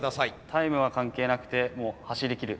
タイムは関係なくてもう走りきる。